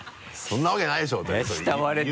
「そんなわけないでしょ」とか言うとね。